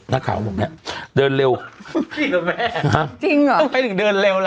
หน้าข่าวผมล่ะเดินเร็วที่ว่ะแม่ข้อเบอร์จริงเหรอไปถึงเดินเร็วล่ะ